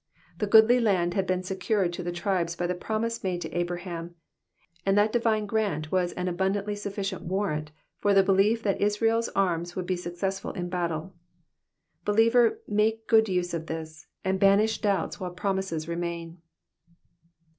The goodly land had been secured to the tribes by the promise made to Abraham, and that divine grant was an abundantly sufficient warrant for the belief that Israel's arms would be successful in battle. Believer make good use of this, and banish doubts while promises remain.